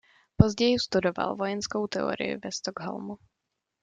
Později studoval vojenskou teorii ve Stockholmu.